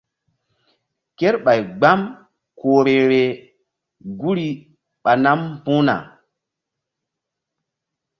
Kerɓay gbam ku vbe-vbeh guri ɓa nam mbu̧h na.